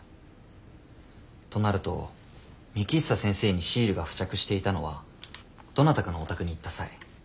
となると幹久先生にシールが付着していたのはどなたかのお宅に行った際。